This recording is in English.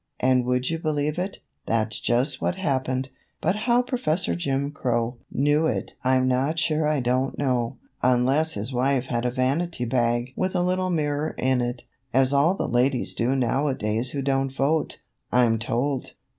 And would you believe it, that's just what happened? But how Professor Jim Crow knew it I'm sure I don't know, unless his wife had a vanity bag with a little mirror in it, as all the ladies do nowadays who don't vote, I'm told.